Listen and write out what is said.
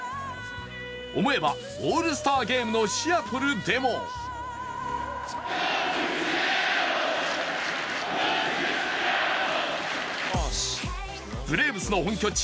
思えばオールスターゲームのシアトルでもブレーブスの本拠地